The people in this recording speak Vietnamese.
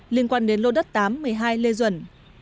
liên quan đến lô đất tám một mươi hai lê duẩn